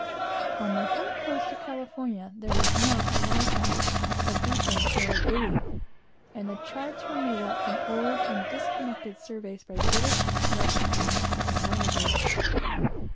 On the whole coast of California there was not a lighthouse, a beacon, or a buoy, and the charts were made up from old and disconnected surveys by British, Russian, and Mexican voyagers.